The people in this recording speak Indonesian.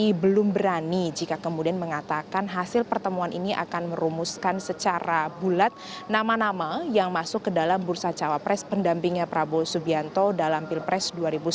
kami belum berani jika kemudian mengatakan hasil pertemuan ini akan merumuskan secara bulat nama nama yang masuk ke dalam bursa cawapres pendampingnya prabowo subianto dalam pilpres dua ribu sembilan belas